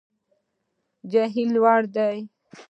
جهیل لوی دی